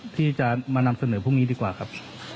ที่จะมานำเสนอพรุ่งนี้ดีกว่าครับ